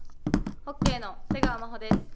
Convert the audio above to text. ホッケーの瀬川真帆です。